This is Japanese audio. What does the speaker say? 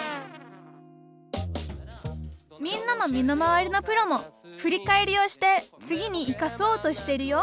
みんなの身の回りのプロも振り返りをして次に生かそうとしてるよ。